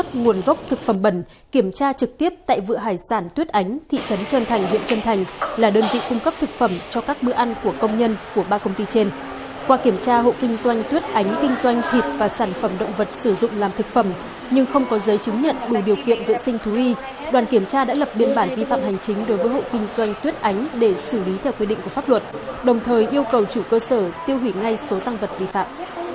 đoàn kiểm tra đã lập biện bản tuy phạm hành chính đối với hộ kinh doanh tuyết ánh để xử lý theo quy định của pháp luật đồng thời yêu cầu chủ cơ sở tiêu hủy ngay số tăng vật vi phạm